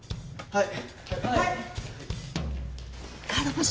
はい！